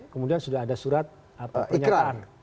kemudian sudah ada surat pernyataan